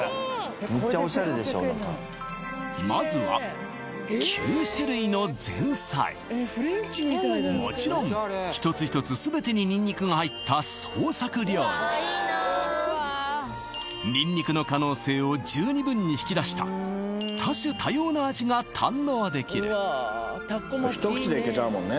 めっちゃオシャレでしょ何かまずは９種類の前菜もちろんひとつひとつ全てにニンニクが入った創作料理ニンニクの可能性を十二分に引き出した多種多様な味が堪能できるひと口でいけちゃうもんね